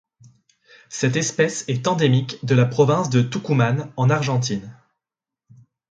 Cette espèce est endémique de la province de Tucumán en Argentine.